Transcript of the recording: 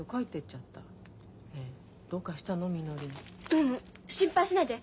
ううん心配しないで。